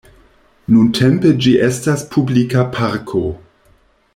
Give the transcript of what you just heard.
Nuntempe ĝi estas publika parko.